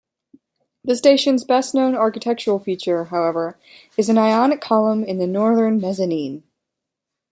The station's best-known architectural feature, however, is an Ionic column in the northern mezzanine.